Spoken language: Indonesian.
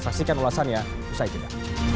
saksikan ulasannya usai kita